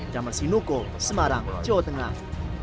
damar sinuko semarang jawa tengah